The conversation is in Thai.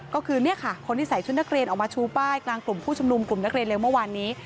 ก็คือเนี่ยค่ะคนที่ใส่ชุดนักเรียนออกมาชูป้ายกลางกลุ่มผู้ชุมนุมกลุ่มนักเรียนเร็วเมื่อวานนี้